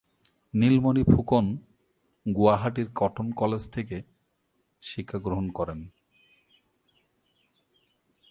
নীলমণি ফুকন গুয়াহাটির Cotton College থেকে শিক্ষা গ্রহণ করেন।